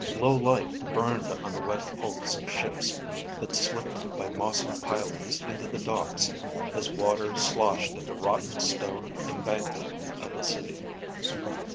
Low light burned on the wet hulks of ships that slipped by mossy pilings into the docks as water sloshed at the rotten stone embankment of the city.